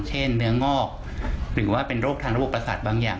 เนื้องอกหรือว่าเป็นโรคทางระบบประสาทบางอย่าง